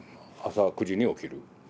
朝９時に起きる。